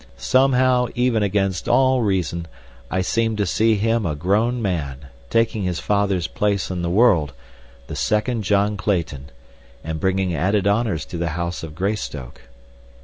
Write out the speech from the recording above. Somehow, even against all reason, I seem to see him a grown man, taking his father's place in the world—the second John Clayton—and bringing added honors to the house of Greystoke.